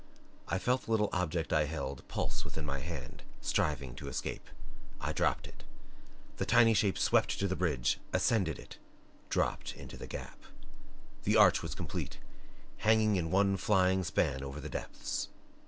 I felt the little object I held pulse within my hand, striving to escape. I dropped it. The tiny shape swept to the bridge, ascended it dropped into the gap. The arch was complete hanging in one flying span over the depths!